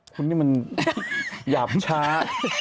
คุณนี่มันหยาบช้า